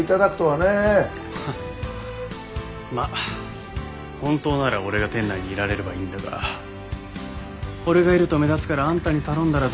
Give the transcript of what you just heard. フッまっ本当なら俺が店内にいられればいいんだが俺がいると目立つからあんたに頼んだらどうかと提案したまでだ。